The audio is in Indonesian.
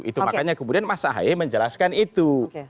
itu makanya kemudian mas ahaye menjelaskan itu